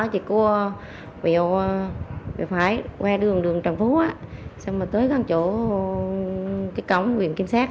chị cua biểu phái qua đường trần phú xong rồi tới gần chỗ cái cổng huyện kim sát